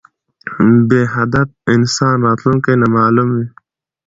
بی هدف انسان راتلونکي نامعلومه وي